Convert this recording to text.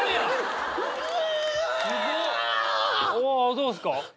どうっすか？